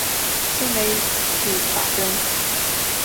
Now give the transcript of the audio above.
新媒体法人